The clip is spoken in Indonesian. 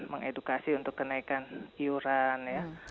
mengedukasi untuk kenaikan iuran